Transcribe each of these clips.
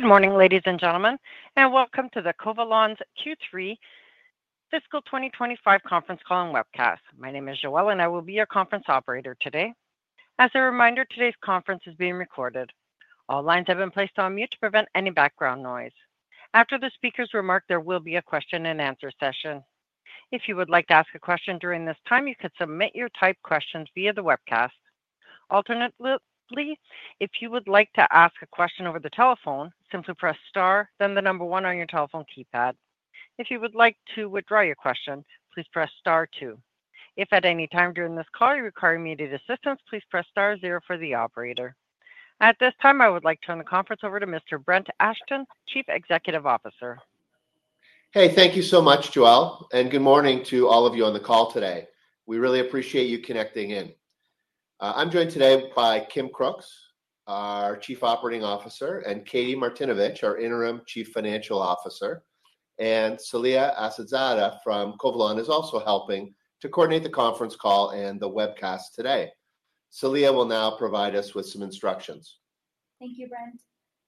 Good morning, ladies and gentlemen, and welcome to Covalon's Q3 Fiscal 2025 Conference Call and Webcast. My name is Joelle, and I will be your conference operator today. As a reminder, today's conference is being recorded. All lines have been placed on mute to prevent any background noise. After the speaker's remark, there will be a question and answer session. If you would like to ask a question during this time, you can submit your typed questions via the webcast. Alternatively, if you would like to ask a question over the telephone, simply press star, then the number one on your telephone keypad. If you would like to withdraw your question, please press star two. If at any time during this call you require immediate assistance, please press star zero for the operator. At this time, I would like to turn the conference over to Mr. Brent Ashton, Chief Executive Officer. Hey, thank you so much, Joelle, and good morning to all of you on the call today. We really appreciate you connecting in. I'm joined today by Kim Crooks, our Chief Operating Officer, and Katie Martinovich, our Interim Chief Financial Officer, and Saleha Assadzada from Covalon is also helping to coordinate the conference call and the webcast today. Saleha will now provide us with some instructions. Thank you, Brent.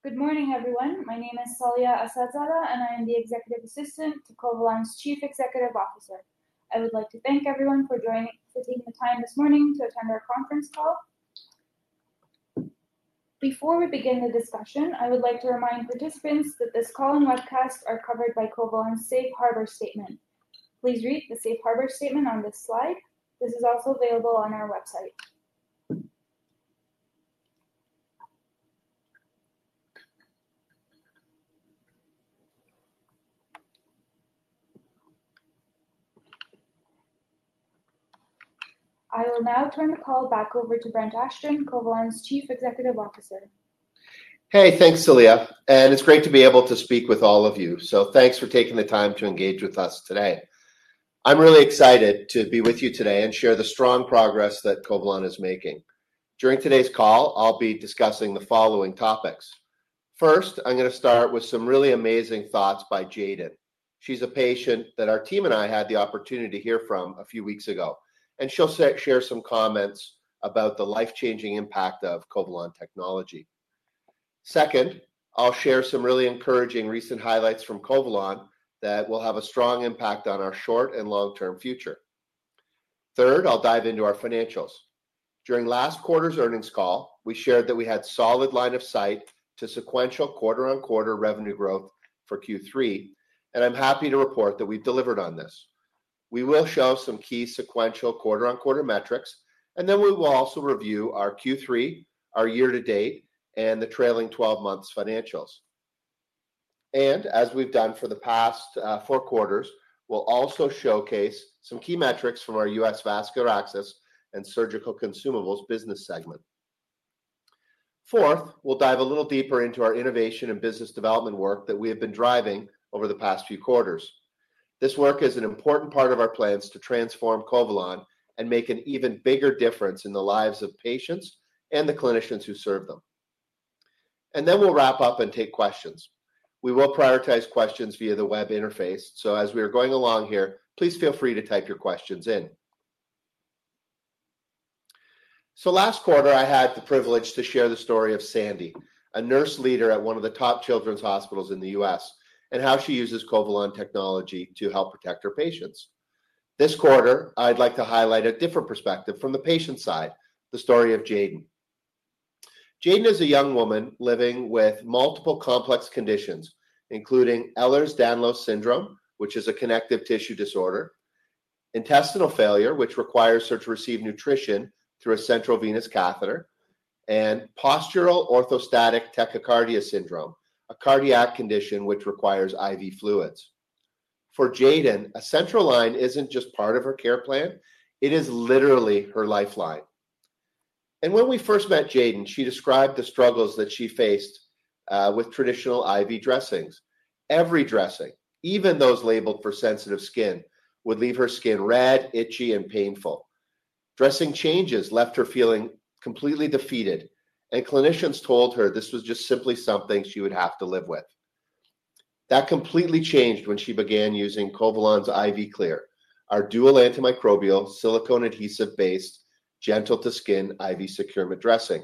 Good morning, everyone. My name is Saleha Assadzada, and I am the Executive Assistant to Covalon's Chief Executive Officer. I would like to thank everyone for joining us and taking the time this morning to attend our conference call. Before we begin the discussion, I would like to remind participants that this call and webcast are covered by Covalon's Safe Harbor Statement. Please read the Safe Harbor Statement on the slide. This is also available on our website. I will now turn the call back over to Brent Ashton, Covalon's Chief Executive Officer. Hey, thanks, Saleha, and it's great to be able to speak with all of you. Thanks for taking the time to engage with us today. I'm really excited to be with you today and share the strong progress that Covalon is making. During today's call, I'll be discussing the following topics. First, I'm going to start with some really amazing thoughts by Jaden. She's a patient that our team and I had the opportunity to hear from a few weeks ago, and she'll share some comments about the life-changing impact of Covalon technology. Second, I'll share some really encouraging recent highlights from Covalon that will have a strong impact on our short and long-term future. Third, I'll dive into our financials. During last quarter's earnings call, we shared that we had a solid line of sight to sequential quarter-on-quarter revenue growth for Q3, and I'm happy to report that we've delivered on this. We will show some key sequential quarter-on-quarter metrics, and then we will also review our Q3, our year-to-date, and the trailing 12 months' financials. As we've done for the past four quarters, we'll also showcase some key metrics from our U.S. Vascular Access and Surgical Consumables business segment. Fourth, we'll dive a little deeper into our innovation and business development work that we have been driving over the past few quarters. This work is an important part of our plans to transform Covalon and make an even bigger difference in the lives of patients and the clinicians who serve them. We'll wrap up and take questions. We will prioritize questions via the web interface, so as we are going along here, please feel free to type your questions in. Last quarter, I had the privilege to share the story of Sandy, a nurse leader at one of the top children's hospitals in the U.S., and how she uses Covalon technology to help protect her patients. This quarter, I'd like to highlight a different perspective from the patient's side, the story of Jaden. Jaden is a young woman living with multiple complex conditions, including Ehlers-Danlos syndrome, which is a connective tissue disorder, intestinal failure, which requires her to receive nutrition through a central venous catheter, and postural orthostatic tachycardia syndrome, a cardiac condition which requires IV fluids. For Jaden, a central line isn't just part of her care plan; it is literally her lifeline. When we first met Jaden, she described the struggles that she faced with traditional IV dressings. Every dressing, even those labeled for sensitive skin, would leave her skin red, itchy, and painful. Dressing changes left her feeling completely defeated, and clinicians told her this was just simply something she would have to live with. That completely changed when she began using Covalon's IV Clear, our dual-antimicrobial, silicone-adhesive-based, gentle-to-skin IV securement dressing.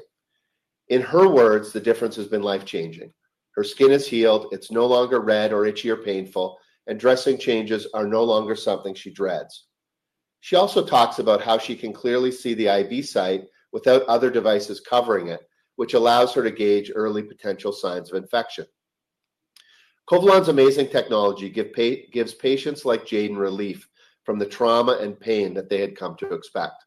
In her words, the difference has been life-changing. Her skin has healed, it's no longer red or itchy or painful, and dressing changes are no longer something she dreads. She also talks about how she can clearly see the IV site without other devices covering it, which allows her to gauge early potential signs of infection. Covalon's amazing technology gives patients like Jaden relief from the trauma and pain that they had come to expect.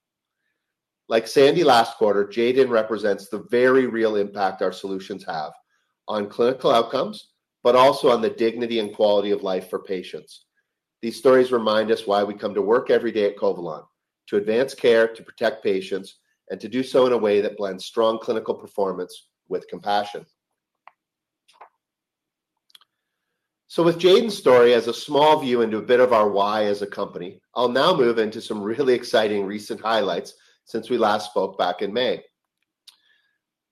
Like Sandy last quarter, Jaden represents the very real impact our solutions have on clinical outcomes, but also on the dignity and quality of life for patients. These stories remind us why we come to work every day at Covalon: to advance care, to protect patients, and to do so in a way that blends strong clinical performance with compassion. With Jaden's story as a small view into a bit of our why as a company, I'll now move into some really exciting recent highlights since we last spoke back in May.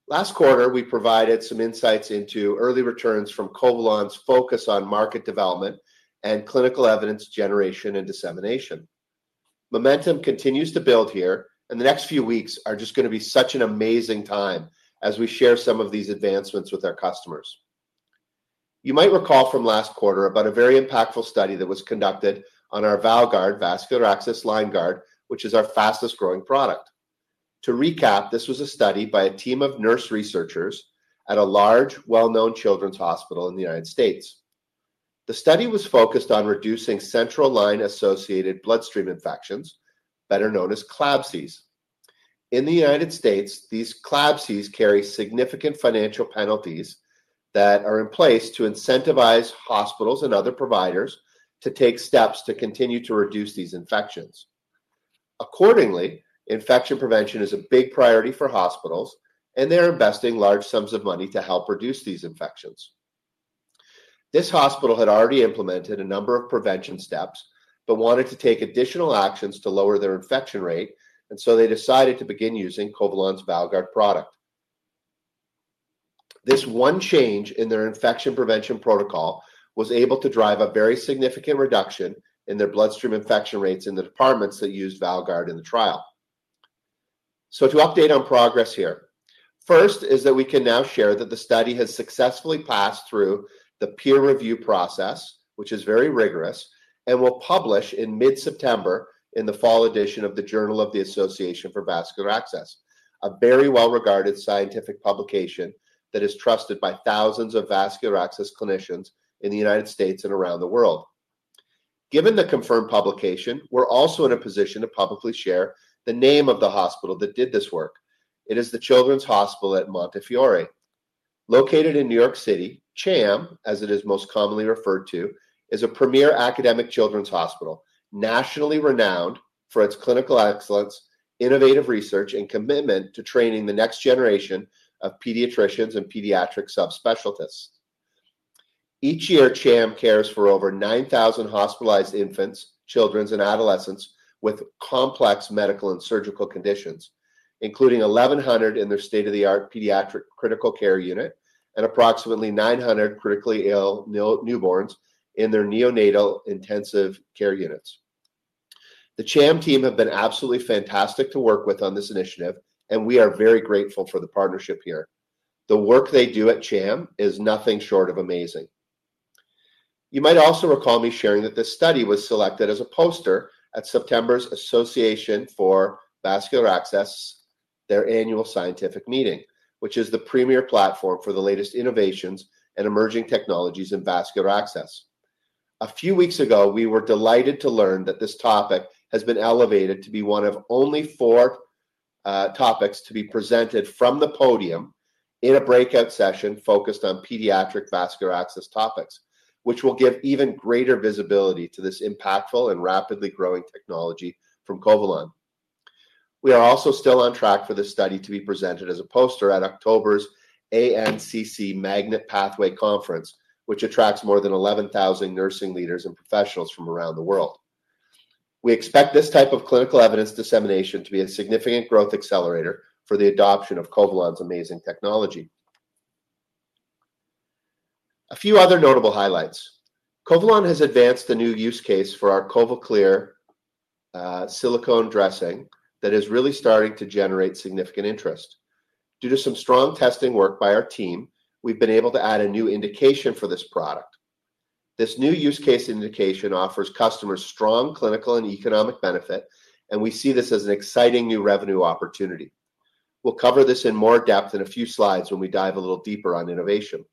Last quarter, we provided some insights into early returns from Covalon's focus on market development and clinical evidence generation and dissemination. Momentum continues to build here, and the next few weeks are just going to be such an amazing time as we share some of these advancements with our customers. You might recall from last quarter about a very impactful study that was conducted on our VALGuard Vascular Access Line Guard, which is our fastest growing product. To recap, this was a study by a team of nurse researchers at a large, well-known children's hospital in the United States. The study was focused on reducing central line-associated bloodstream infections, better known as CLABSIs. In the United States, these CLABSIs carry significant financial penalties that are in place to incentivize hospitals and other providers to take steps to continue to reduce these infections. Accordingly, infection prevention is a big priority for hospitals, and they're investing large sums of money to help reduce these infections. This hospital had already implemented a number of prevention steps, but wanted to take additional actions to lower their infection rate, and so they decided to begin using Covalon's VALGuard product. This one change in their infection prevention protocol was able to drive a very significant reduction in their bloodstream infection rates in the departments that used VALGuard in the trial. To update on progress here, first is that we can now share that the study has successfully passed through the peer review process, which is very rigorous, and will publish in mid-September in the fall edition of the Journal of the Association for Vascular Access, a very well-regarded scientific publication that is trusted by thousands of vascular access clinicians in the United States and around the world. Given the confirmed publication, we're also in a position to publicly share the name of the hospital that did this work. It is the Children’s Hospital at Montefiore. Located in New York City, CHAM, as it is most commonly referred to, is a premier academic children's hospital, nationally renowned for its clinical excellence, innovative research, and commitment to training the next generation of pediatricians and pediatric subspecialists. Each year, CHAM cares for over 9,000 hospitalized infants, children, and adolescents with complex medical and surgical conditions, including 1,100 in their state-of-the-art pediatric critical care unit and approximately 900 critically ill newborns in their neonatal intensive care units. The CHAM team has been absolutely fantastic to work with on this initiative, and we are very grateful for the partnership here. The work they do at CHAM is nothing short of amazing. You might also recall me sharing that this study was selected as a poster at September's Association for Vascular Access, their annual scientific meeting, which is the premier platform for the latest innovations and emerging technologies in vascular access. A few weeks ago, we were delighted to learn that this topic has been elevated to be one of only four topics to be presented from the podium in a breakout session focused on pediatric vascular access topics, which will give even greater visibility to this impactful and rapidly growing technology from Covalon. We are also still on track for this study to be presented as a poster at October's ANCC Magnet Pathway Conference, which attracts more than 11,000 nursing leaders and professionals from around the world. We expect this type of clinical evidence dissemination to be a significant growth accelerator for the adoption of Covalon's amazing technology. A few other notable highlights. Covalon has advanced a new use case for our CovaClear IV silicone dressing that is really starting to generate significant interest. Due to some strong testing work by our team, we've been able to add a new indication for this product. This new use case indication offers customers strong clinical and economic benefit, and we see this as an exciting new revenue opportunity. We'll cover this in more depth in a few slides when we dive a little deeper on innovation.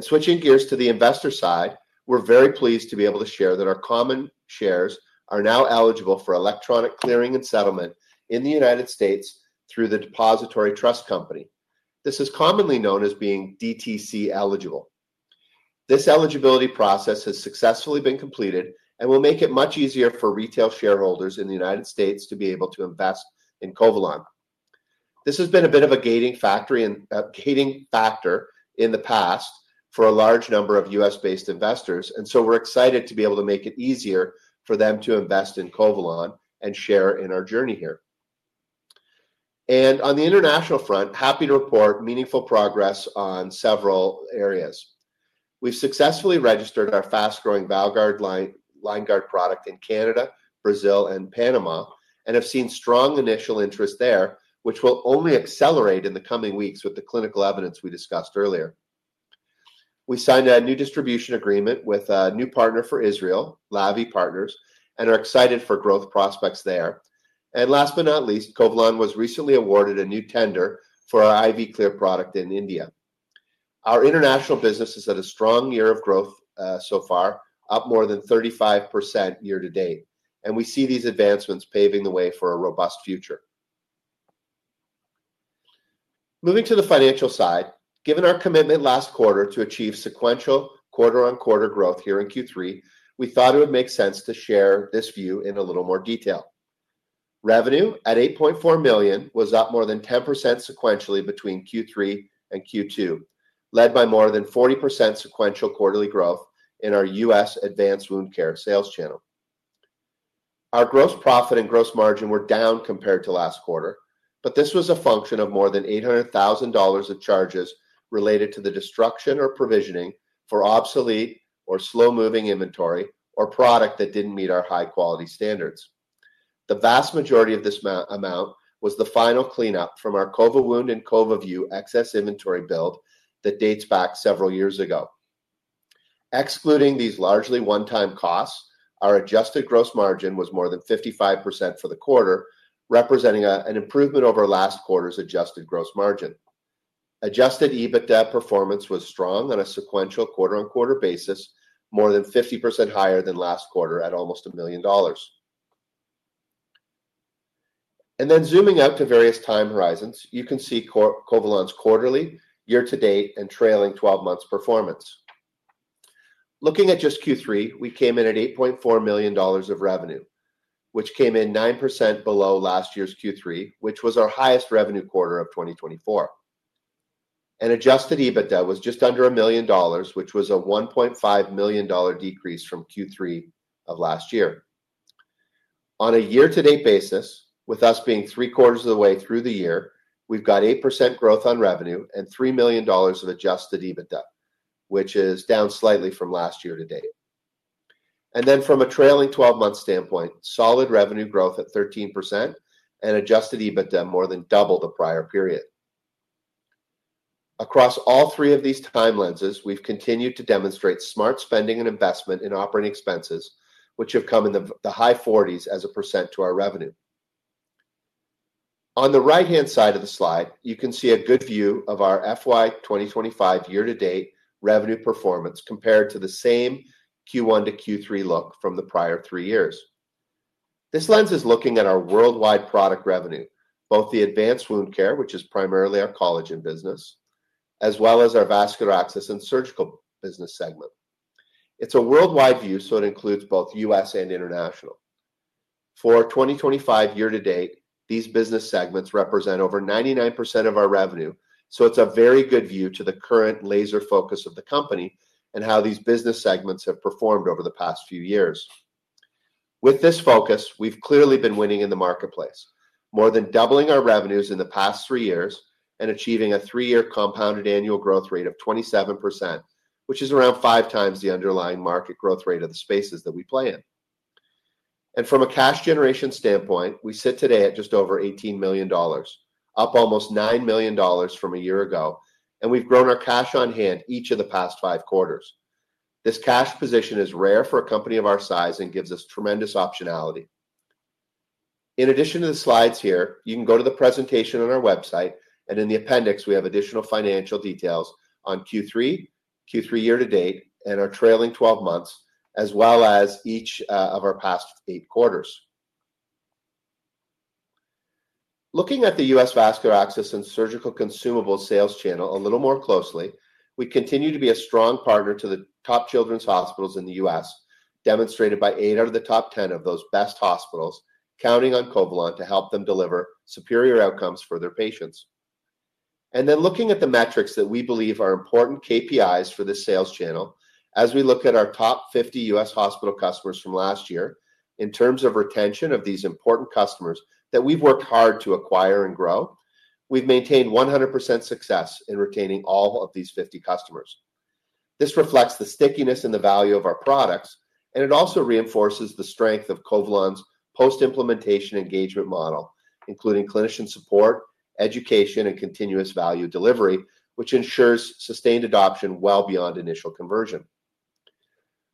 Switching gears to the investor side, we're very pleased to be able to share that our common shares are now eligible for electronic clearing and settlement in the United States through the Depository Trust Company. This is commonly known as being DTC eligible. This eligibility process has successfully been completed and will make it much easier for retail shareholders in the United States to be able to invest in Covalon. This has been a bit of a gating factor in the past for a large number of U.S.-based investors, and we're excited to be able to make it easier for them to invest in Covalon and share in our journey here. On the international front, happy to report meaningful progress on several areas. We've successfully registered our fast-growing VALGuard product in Canada, Brazil, and Panama, and have seen strong initial interest there, which will only accelerate in the coming weeks with the clinical evidence we discussed earlier. We signed a new distribution agreement with a new partner for Israel, Lavi Partners, and are excited for growth prospects there. Last but not least, Covalon was recently awarded a new tender for our IV Clear product in India. Our international business has had a strong year of growth so far, up more than 35% year to date, and we see these advancements paving the way for a robust future. Moving to the financial side, given our commitment last quarter to achieve sequential quarter-on-quarter growth here in Q3, we thought it would make sense to share this view in a little more detail. Revenue at $8.4 million was up more than 10% sequentially between Q3 and Q2, led by more than 40% sequential quarterly growth in our U.S. advanced wound care sales channel. Our gross profit and gross margin were down compared to last quarter, but this was a function of more than $800,000 of charges related to the destruction or provisioning for obsolete or slow-moving inventory or product that didn't meet our high-quality standards. The vast majority of this amount was the final cleanup from our CovaWound and CovaView IV excess inventory build that dates back several years ago. Excluding these largely one-time costs, our adjusted gross margin was more than 55% for the quarter, representing an improvement over last quarter's adjusted gross margin. Adjusted EBITDA performance was strong on a sequential quarter-on-quarter basis, more than 50% higher than last quarter at almost $1 million. Zooming out to various time horizons, you can see Covalon's quarterly, year-to-date, and trailing 12 months' performance. Looking at just Q3, we came in at $8.4 million of revenue, which came in 9% below last year's Q3, which was our highest revenue quarter of 2024. Adjusted EBITDA was just under $1 million, which was a $1.5 million decrease from Q3 of last year. On a year-to-date basis, with us being 3/4 of the way through the year, we've got 8% growth on revenue and $3 million of adjusted EBITDA, which is down slightly from last year to date. From a trailing 12-month standpoint, solid revenue growth at 13% and adjusted EBITDA more than double the prior period. Across all three of these time lenses, we've continued to demonstrate smart spending and investment in operating expenses, which have come in the high 40s as a percent to our revenue. On the right-hand side of the slide, you can see a good view of our FY 2025 year-to-date revenue performance compared to the same Q1 to Q3 look from the prior three years. This lens is looking at our worldwide product revenue, both the advanced wound care, which is primarily our collagen business, as well as our vascular access and surgical business segment. It's a worldwide view, so it includes both U.S. and international. For 2025 year to date, these business segments represent over 99% of our revenue, so it's a very good view to the current laser focus of the company and how these business segments have performed over the past few years. With this focus, we've clearly been winning in the marketplace, more than doubling our revenues in the past three years and achieving a three-year compounded annual growth rate of 27%, which is around five times the underlying market growth rate of the spaces that we play in. From a cash generation standpoint, we sit today at just over $18 million, up almost $9 million from a year ago, and we've grown our cash on hand each of the past five quarters. This cash position is rare for a company of our size and gives us tremendous optionality. In addition to the slides here, you can go to the presentation on our website, and in the appendix, we have additional financial details on Q3, Q3 year to date, and our trailing 12 months, as well as each of our past eight quarters. Looking at the U.S. vascular access and surgical consumables sales channel a little more closely, we continue to be a strong partner to the top children's hospitals in the U.S., demonstrated by eight out of the top 10 of those best hospitals counting on Covalon to help them deliver superior outcomes for their patients. Looking at the metrics that we believe are important KPIs for this sales channel, as we look at our top 50 U.S. hospital customers from last year, in terms of retention of these important customers that we've worked hard to acquire and grow, we've maintained 100% success in retaining all of these 50 customers. This reflects the stickiness and the value of our products, and it also reinforces the strength of Covalon's post-implementation engagement model, including clinician support, education, and continuous value delivery, which ensures sustained adoption well beyond initial conversion.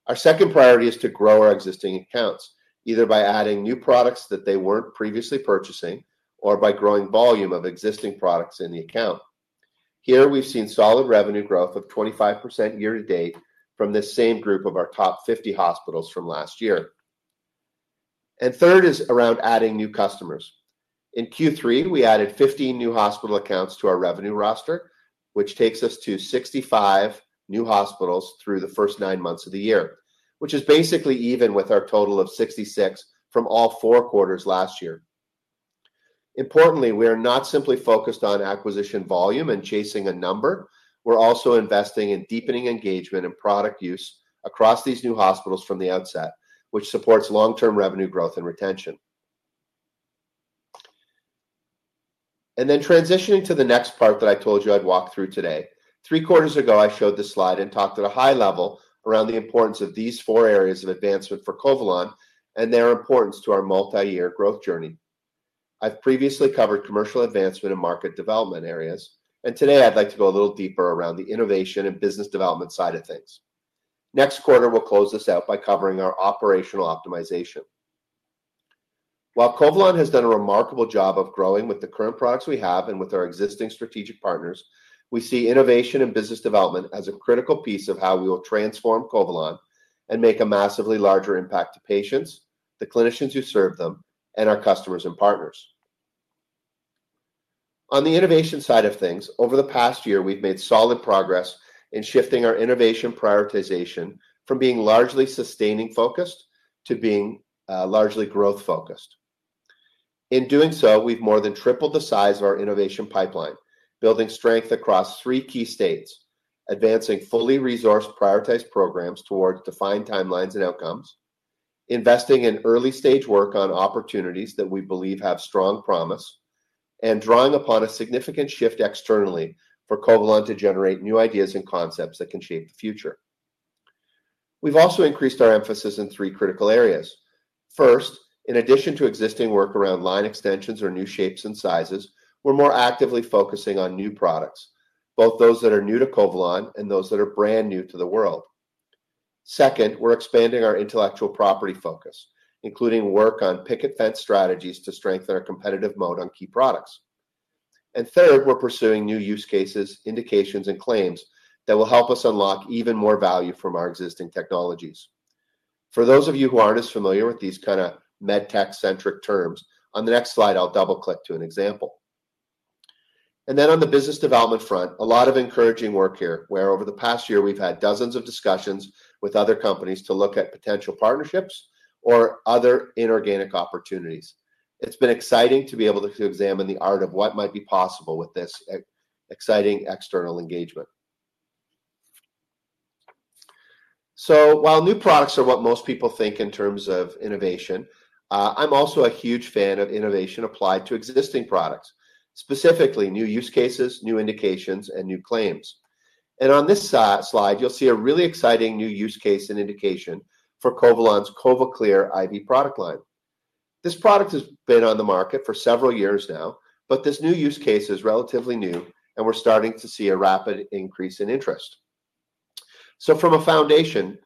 Our second priority is to grow our existing accounts, either by adding new products that they weren't previously purchasing or by growing volume of existing products in the account. Here, we've seen solid revenue growth of 25% year to date from this same group of our top 50 hospitals from last year. Third is around adding new customers. In Q3, we added 15 new hospital accounts to our revenue roster, which takes us to 65 new hospitals through the first nine months of the year, which is basically even with our total of 66 from all four quarters last year. Importantly, we are not simply focused on acquisition volume and chasing a number. We're also investing in deepening engagement and product use across these new hospitals from the onset, which supports long-term revenue growth and retention. Transitioning to the next part that I told you I'd walk through today, three quarters ago, I showed this slide and talked at a high level around the importance of these four areas of advancement for Covalon and their importance to our multi-year growth journey. I've previously covered commercial advancement and market development areas, and today I'd like to go a little deeper around the innovation and business development side of things. Next quarter, we'll close this out by covering our operational optimization. While Covalon has done a remarkable job of growing with the current products we have and with our existing strategic partners, we see innovation and business development as a critical piece of how we will transform Covalon and make a massively larger impact to patients, the clinicians who serve them, and our customers and partners. On the innovation side of things, over the past year, we've made solid progress in shifting our innovation prioritization from being largely sustaining-focused to being largely growth-focused. In doing so, we've more than tripled the size of our innovation pipeline, building strength across three key states, advancing fully resourced prioritized programs toward defined timelines and outcomes, investing in early-stage work on opportunities that we believe have strong promise, and drawing upon a significant shift externally for Covalon to generate new ideas and concepts that can shape the future. We've also increased our emphasis in three critical areas. First, in addition to existing work around line extensions or new shapes and sizes, we're more actively focusing on new products, both those that are new to Covalon and those that are brand new to the world. Second, we're expanding our intellectual property focus, including work on picket fence strategies to strengthen our competitive moat on key products. Third, we're pursuing new use cases, indications, and claims that will help us unlock even more value from our existing technologies. For those of you who aren't as familiar with these kind of medtech-centric terms, on the next slide, I'll double-click to an example. On the business development front, a lot of encouraging work here, where over the past year, we've had dozens of discussions with other companies to look at potential partnerships or other inorganic opportunities. It's been exciting to be able to examine the art of what might be possible with this exciting external engagement. While new products are what most people think in terms of innovation, I'm also a huge fan of innovation applied to existing products, specifically new use cases, new indications, and new claims. On this slide, you'll see a really exciting new use case and indication for Covalon's CovaClear IV product line. This product has been on the market for several years now, but this new use case is relatively new, and we're starting to see a rapid increase in interest. From a foundation,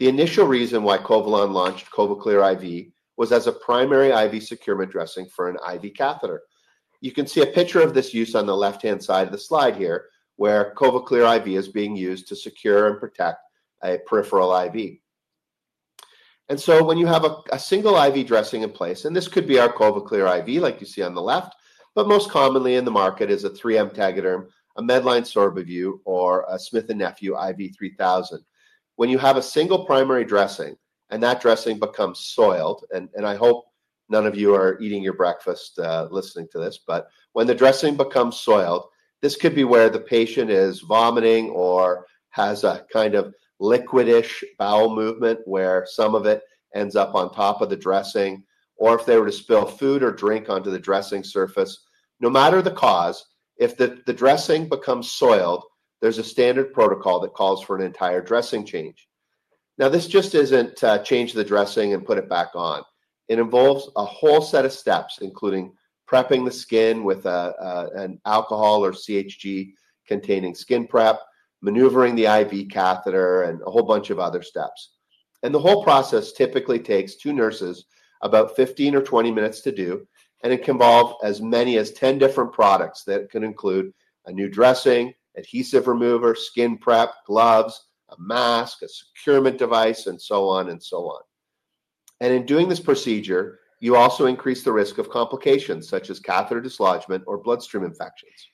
the initial reason why Covalon launched CovaClear IV was as a primary IV securement dressing for an IV catheter. You can see a picture of this use on the left-hand side of the slide here, where CovaClear IV is being used to secure and protect a peripheral IV. When you have a single IV dressing in place, and this could be our CovaClear IV like you see on the left, but most commonly in the market is a 3M Tegaderm, a Medline SorbaView SHIELD, or a Smith & Nephew IV3000. When you have a single primary dressing and that dressing becomes soiled, and I hope none of you are eating your breakfast listening to this, but when the dressing becomes soiled, this could be where the patient is vomiting or has a kind of liquid-ish bowel movement where some of it ends up on top of the dressing, or if they were to spill food or drink onto the dressing surface. No matter the cause, if the dressing becomes soiled, there's a standard protocol that calls for an entire dressing change. This just isn't change the dressing and put it back on. It involves a whole set of steps, including prepping the skin with an alcohol or CHG-containing skin prep, maneuvering the IV catheter, and a whole bunch of other steps. The whole process typically takes two nurses about 15 or 20 minutes to do, and it can involve as many as 10 different products that can include a new dressing, adhesive remover, skin prep, gloves, a mask, a securement device, and so on and so on. In doing this procedure, you also increase the risk of complications such as catheter dislodgement or bloodstream infections.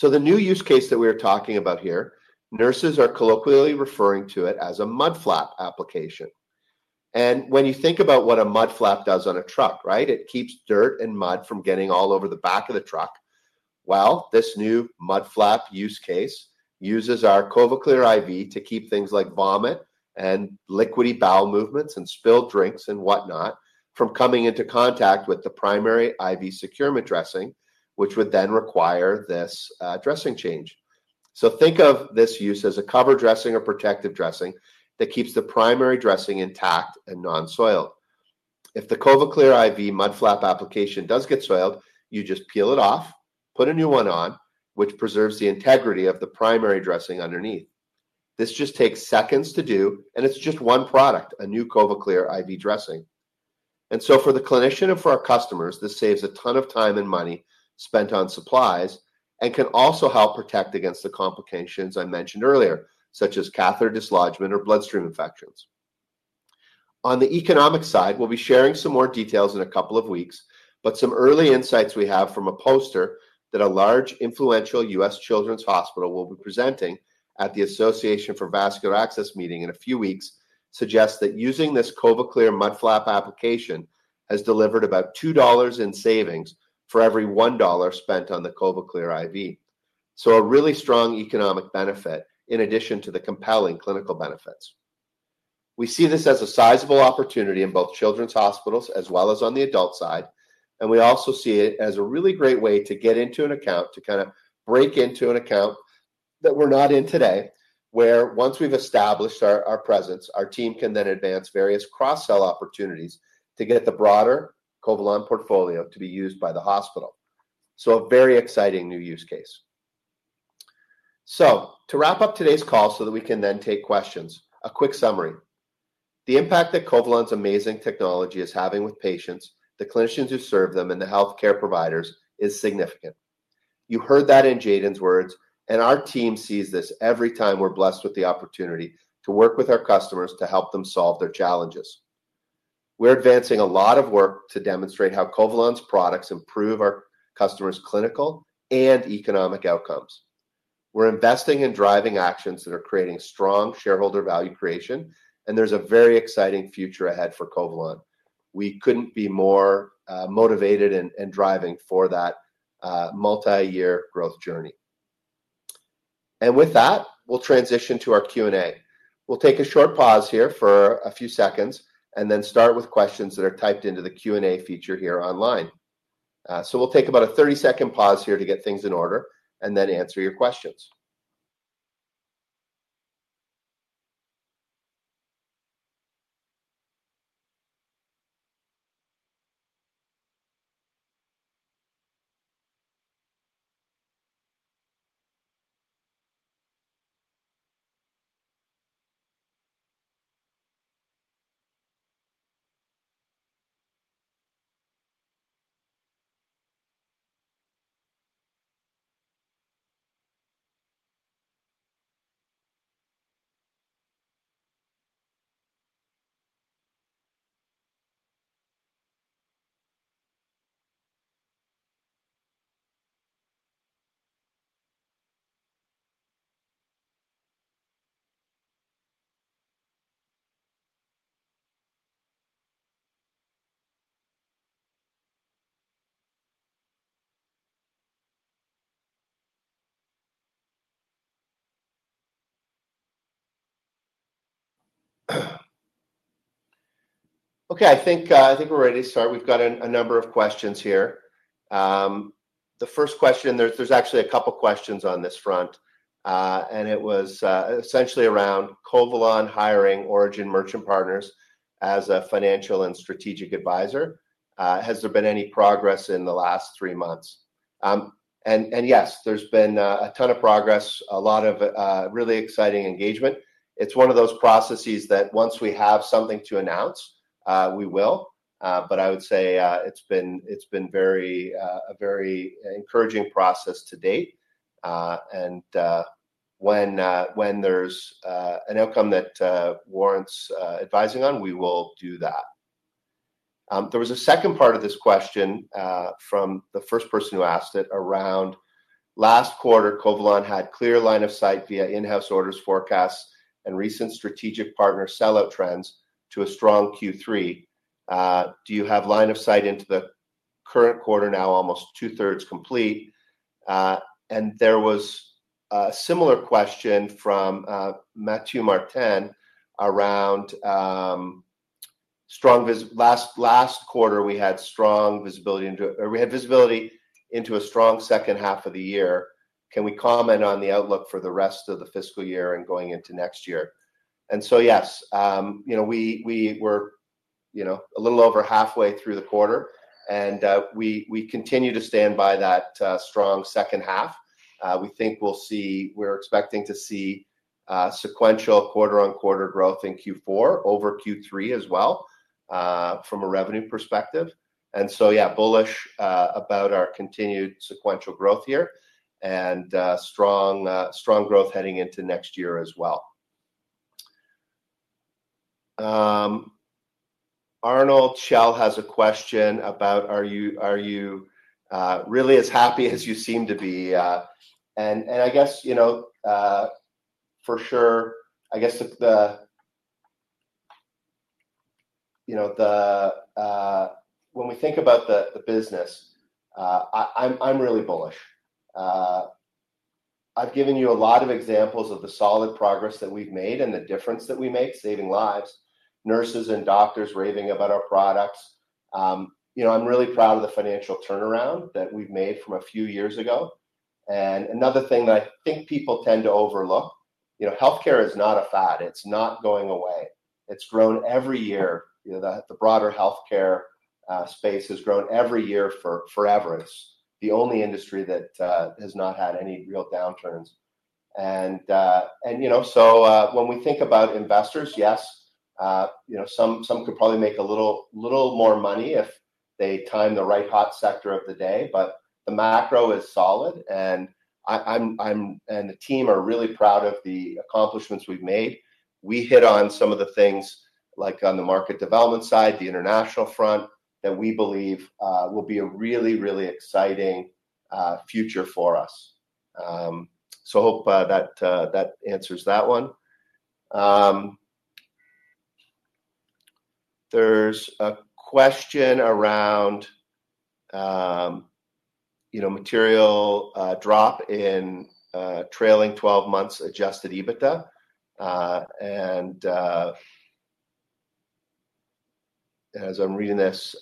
The new use case that we are talking about here, nurses are colloquially referring to it as a mud flap application. When you think about what a mud flap does on a truck, it keeps dirt and mud from getting all over the back of the truck. This new mud flap use case uses our CovaClear IV to keep things like vomit and liquidy bowel movements and spilled drinks and whatnot from coming into contact with the primary IV securement dressing, which would then require this dressing change. Think of this use as a cover dressing or protective dressing that keeps the primary dressing intact and non-soiled. If the CovaClear IV mud flap application does get soiled, you just peel it off, put a new one on, which preserves the integrity of the primary dressing underneath. This just takes seconds to do, and it's just one product, a new CovaClear IV dressing. For the clinician and for our customers, this saves a ton of time and money spent on supplies and can also help protect against the complications I mentioned earlier, such as catheter dislodgement or bloodstream infections. On the economic side, we'll be sharing some more details in a couple of weeks, but some early insights we have from a poster that a large influential U.S. children's hospital will be presenting at the Association for Vascular Access meeting in a few weeks suggests that using this CovaClear IV mud flap application has delivered about $2 in savings for every $1 spent on the CovaClear IV. A really strong economic benefit in addition to the compelling clinical benefits. We see this as a sizable opportunity in both children's hospitals as well as on the adult side, and we also see it as a really great way to get into an account, to kind of break into an account that we're not in today, where once we've established our presence, our team can then advance various cross-sell opportunities to get the broader Covalon portfolio to be used by the hospital. A very exciting new use case. To wrap up today's call so that we can then take questions, a quick summary. The impact that Covalon's amazing technology is having with patients, the clinicians who serve them, and the healthcare providers is significant. You heard that in Jaden's words, and our team sees this every time we're blessed with the opportunity to work with our customers to help them solve their challenges. We're advancing a lot of work to demonstrate how Covalon's products improve our customers' clinical and economic outcomes. We're investing in driving actions that are creating strong shareholder value creation, and there's a very exciting future ahead for Covalon. We couldn't be more motivated and driving for that multi-year growth journey. With that, we'll transition to our Q&A. We'll take a short pause here for a few seconds and then start with questions that are typed into the Q&A feature here online. We'll take about a 30-second pause here to get things in order and then answer your questions. Okay, I think we're ready to start. We've got a number of questions here. The first question, there's actually a couple of questions on this front, and it was essentially around Covalon hiring Origin Merchant Partners as a financial and strategic advisor. Has there been any progress in the last three months? Yes, there's been a ton of progress, a lot of really exciting engagement. It's one of those processes that once we have something to announce, we will, but I would say it's been a very encouraging process to date. When there's an outcome that warrants advising on, we will do that. There was a second part of this question from the first person who asked it around last quarter. Covalon had clear line of sight via in-house orders forecasts and recent strategic partner sellout trends to a strong Q3. Do you have line of sight into the current quarter now almost two-thirds complete? There was a similar question from Matthew Marten around last quarter we had strong visibility into a strong second half of the year. Can we comment on the outlook for the rest of the fiscal year and going into next year? Yes, you know we were a little over halfway through the quarter, and we continue to stand by that strong second half. We think we'll see, we're expecting to see sequential quarter-on-quarter growth in Q4 over Q3 as well from a revenue perspective. Yeah, bullish about our continued sequential growth here and strong growth heading into next year as well. Arnold Shell has a question about, are you really as happy as you seem to be? I guess, you know for sure, I guess when we think about the business, I'm really bullish. I've given you a lot of examples of the solid progress that we've made and the difference that we make, saving lives, nurses and doctors raving about our products. You know I'm really proud of the financial turnaround that we've made from a few years ago. Another thing that I think people tend to overlook, you know healthcare is not a fad. It's not going away. It's grown every year. The broader healthcare space has grown every year forever. It's the only industry that has not had any real downturns. When we think about investors, yes, you know some could probably make a little more money if they time the right hot sector of the day, but the macro is solid, and I'm and the team are really proud of the accomplishments we've made. We hit on some of the things like on the market development side, the international front, that we believe will be a really, really exciting future for us. I hope that answers that one. There's a question around material drop in trailing 12 months adjusted EBITDA. As I'm reading this,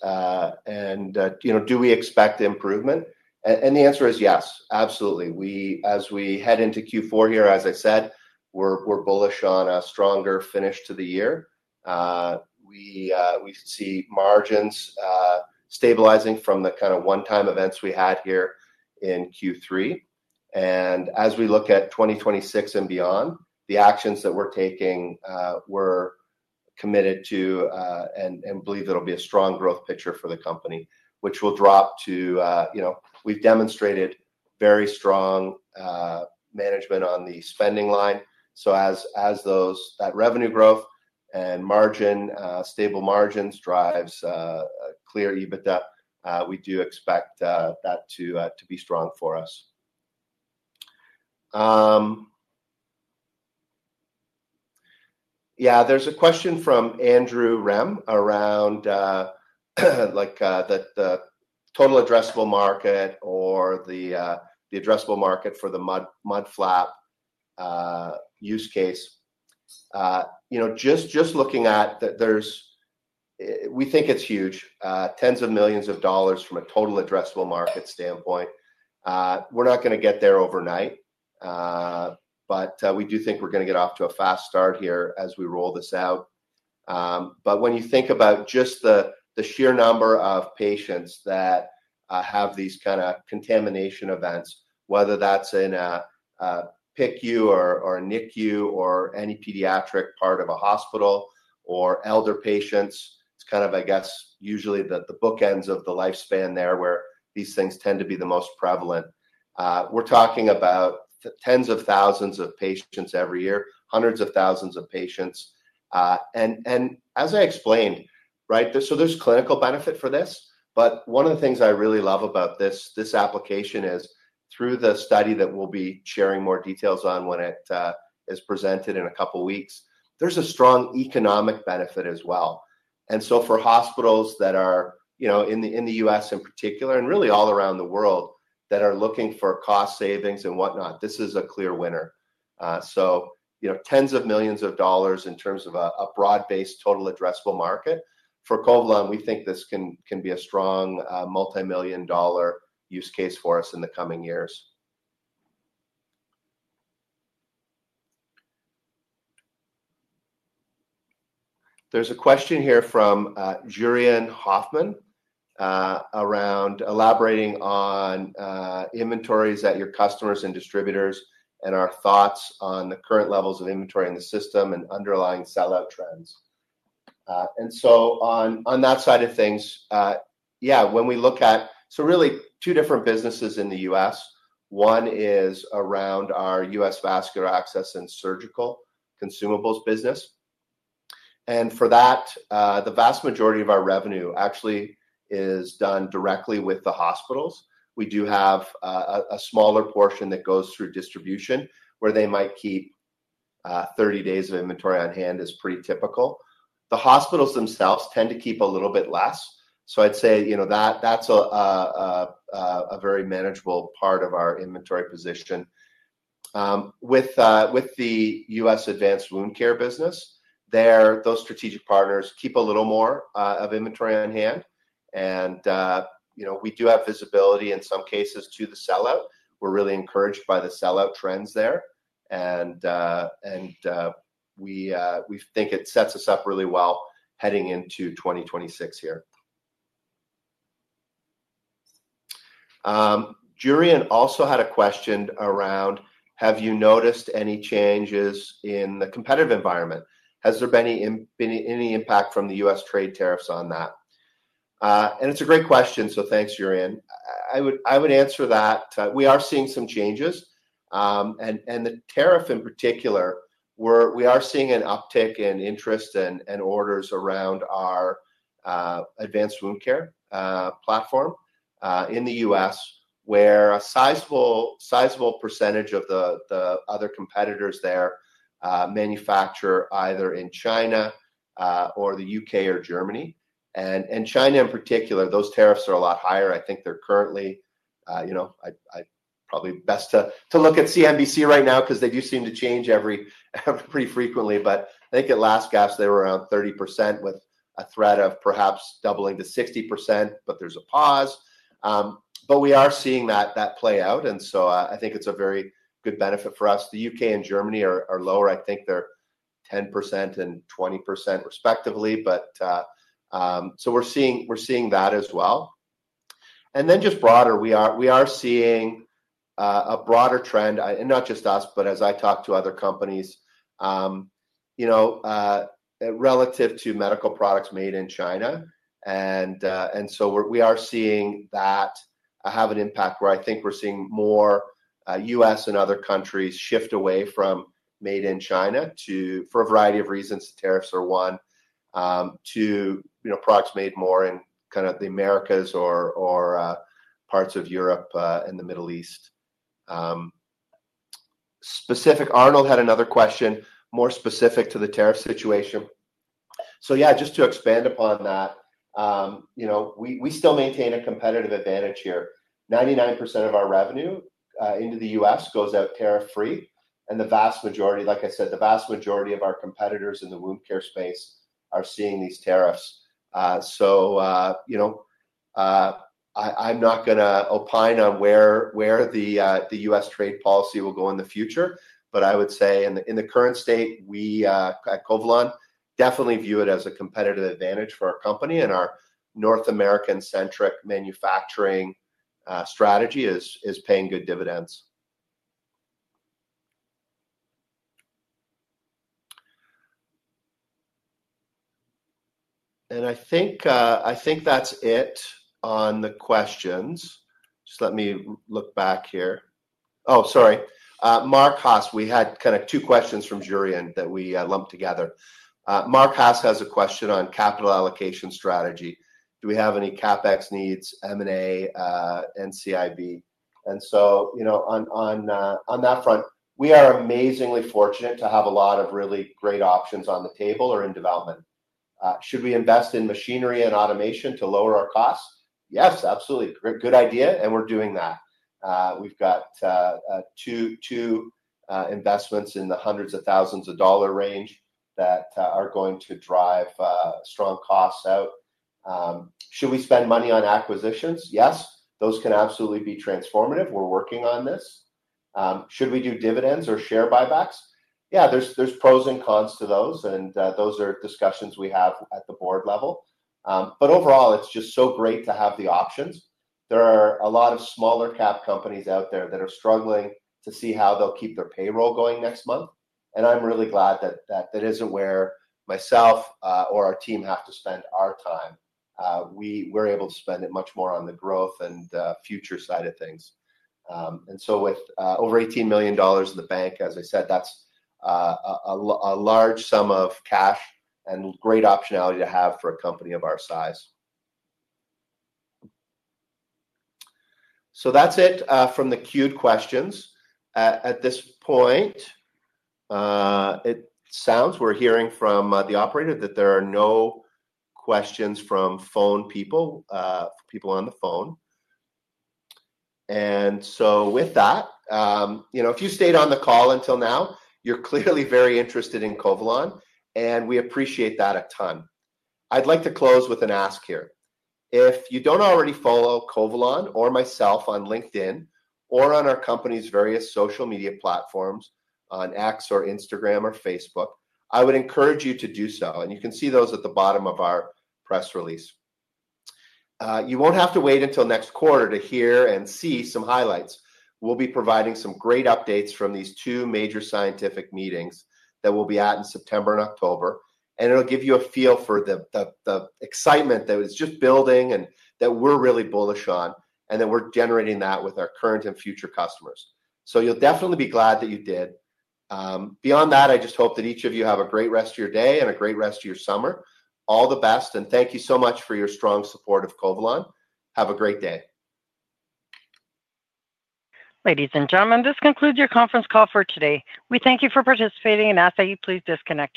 do we expect improvement? The answer is yes, absolutely. As we head into Q4 here, as I said, we're bullish on a stronger finish to the year. We see margins stabilizing from the kind of one-time events we had here in Q3. As we look at 2026 and beyond, the actions that we're taking we're committed to and believe it'll be a strong growth picture for the company, which will drop to, you know, we've demonstrated very strong management on the spending line. As those revenue growth and margin, stable margins drive clear EBITDA, we do expect that to be strong for us. There's a question from Andrew Rehm around like the total addressable market or the addressable market for the mud flap use case. Just looking at that, we think it's huge, tens of millions of dollars from a total addressable market standpoint. We're not going to get there overnight, but we do think we're going to get off to a fast start here as we roll this out. When you think about just the sheer number of patients that have these kind of contamination events, whether that's in a PICU or a NICU or any pediatric part of a hospital or elder patients, it's kind of, I guess, usually the bookends of the lifespan there where these things tend to be the most prevalent. We're talking about tens of thousands of patients every year, hundreds of thousands of patients. As I explained, right, so there's clinical benefit for this, but one of the things I really love about this application is through the study that we'll be sharing more details on when it is presented in a couple of weeks, there's a strong economic benefit as well. For hospitals that are, you know, in the U.S. in particular and really all around the world that are looking for cost savings and whatnot, this is a clear winner. Tens of millions of dollars in terms of a broad-based total addressable market for Covalon, we think this can be a strong multimillion-dollar use case for us in the coming years. There's a question here from Jurian Hoffman around elaborating on inventories at your customers and distributors and our thoughts on the current levels of inventory in the system and underlying sellout trends. On that side of things, when we look at, so really two different businesses in the U.S., one is around our U.S. vascular access and surgical consumables business. For that, the vast majority of our revenue actually is done directly with the hospitals. We do have a smaller portion that goes through distribution where they might keep 30 days of inventory on hand, which is pretty typical. The hospitals themselves tend to keep a little bit less. I'd say that's a very manageable part of our inventory position. With the U.S. advanced wound care business, those strategic partners keep a little more of inventory on hand. We do have visibility in some cases to the sellout. We're really encouraged by the sellout trends there, and we think it sets us up really well heading into 2026 here. Jurian also had a question around, have you noticed any changes in the competitive environment? Has there been any impact from the U.S. trade tariffs on that? It's a great question, so thanks, Jurian. I would answer that. We are seeing some changes. The tariff in particular, we are seeing an uptick in interest and orders around our advanced wound care platform in the U.S., where a sizable percentage of the other competitors there manufacture either in China or the U.K. or Germany. In China in particular, those tariffs are a lot higher. I think they're currently, you know, I probably best to look at CNBC right now because they do seem to change pretty frequently. I think at last gasp, they were around 30% with a threat of perhaps doubling to 60%, but there's a pause. We are seeing that play out. I think it's a very good benefit for us. The U.K. and Germany are lower. I think they're 10% and 20% respectively. We are seeing that as well. We are seeing a broader trend, and not just us, but as I talk to other companies, relative to medical products made in China. We are seeing that have an impact where I think we're seeing more U.S. and other countries shift away from made in China for a variety of reasons. Tariffs are one. To products made more in kind of the Americas or parts of Europe and the Middle East. Arnold had another question more specific to the tariff situation. To expand upon that, we still maintain a competitive advantage here. 99% of our revenue into the U.S. goes out tariff-free. The vast majority, like I said, the vast majority of our competitors in the wound care space are seeing these tariffs. I'm not going to opine on where the U.S. trade policy will go in the future, but I would say in the current state, we at Covalon definitely view it as a competitive advantage for our company. Our North American-centric manufacturing strategy is paying good dividends. I think that's it on the questions. Let me look back here. Sorry. Mark Haas, we had kind of two questions from Jurian that we lumped together. Mark Haas has a question on capital allocation strategy. Do we have any CapEx needs, M&A, NCIB? On that front, we are amazingly fortunate to have a lot of really great options on the table or in development. Should we invest in machinery and automation to lower our costs? Yes, absolutely. Good idea. We're doing that. We've got two investments in the hundreds of thousands of dollar range that are going to drive strong costs out. Should we spend money on acquisitions? Yes, those can absolutely be transformative. We're working on this. Should we do dividends or share buybacks? Yeah, there's pros and cons to those. Those are discussions we have at the board level. Overall, it's just so great to have the options. There are a lot of smaller cap companies out there that are struggling to see how they'll keep their payroll going next month. I'm really glad that it isn't where myself or our team have to spend our time. We're able to spend it much more on the growth and future side of things. With over $18 million in the bank, as I said, that's a large sum of cash and great optionality to have for a company of our size. That's it from the queued questions. At this point, it sounds we're hearing from the operator that there are no questions from people on the phone. If you stayed on the call until now, you're clearly very interested in Covalon, and we appreciate that a ton. I'd like to close with an ask here. If you don't already follow Covalon or myself on LinkedIn or on our company's various social media platforms, on X or Instagram or Facebook, I would encourage you to do so. You can see those at the bottom of our press release. You won't have to wait until next quarter to hear and see some highlights. We'll be providing some great updates from these two major scientific meetings that we'll be at in September and October. It'll give you a feel for the excitement that is just building and that we're really bullish on and that we're generating that with our current and future customers. You'll definitely be glad that you did. Beyond that, I just hope that each of you have a great rest of your day and a great rest of your summer. All the best. Thank you so much for your strong support of Covalon. Have a great day. Ladies and gentlemen, this concludes your conference call for today. We thank you for participating and ask that you please disconnect.